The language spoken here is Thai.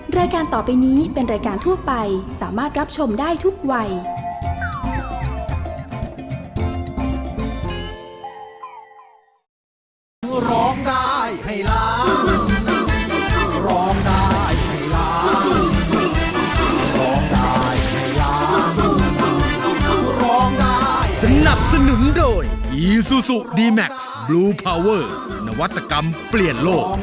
รายการต่อไปนี้เป็นรายการทั่วไปสามารถรับชมได้ทุกวัย